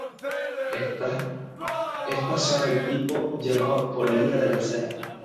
Estas son del tipo llamado polilla de la cera.